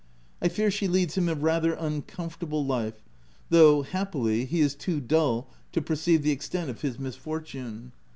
I fear she leads him a rather uncomfortable life, though, happily he is too dull to perceive the extent of his misfortune.